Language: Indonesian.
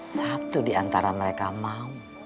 satu diantara mereka mau